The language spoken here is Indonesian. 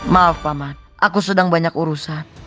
maaf paman aku sedang banyak urusan